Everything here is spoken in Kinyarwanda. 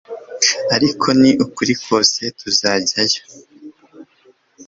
Ariko ni ukuri kose tuzajyayo